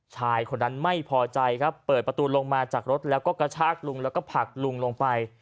ชายคนนั้นไม่พอใจครับเปิดประตูลงมาจากรถแล้วก็กระชากลุงแล้วก็ผลักลุงลงไป